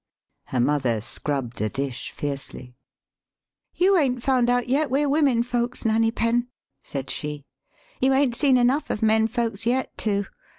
Her mother scrubbed a dish fiercely. " You 'ain't found out yet we're women folks, Nanny THE SPEAKING VOICE Penn," said she. "You 'ain't seen enough of men folks yet to.